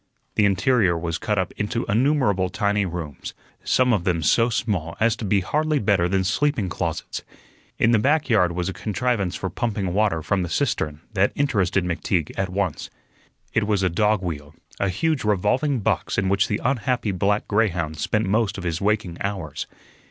The interior was cut up into innumerable tiny rooms, some of them so small as to be hardly better than sleeping closets. In the back yard was a contrivance for pumping water from the cistern that interested McTeague at once. It was a dog wheel, a huge revolving box in which the unhappy black greyhound spent most of his waking hours.